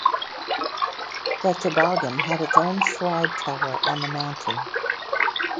The Toboggan had its own slide tower on the mountain.